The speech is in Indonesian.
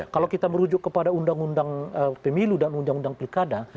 kalau kita merujuk kepada undang undang pemilu dan undang undang pilkada